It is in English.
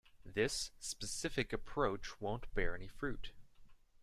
This specific approach won't bear any fruit.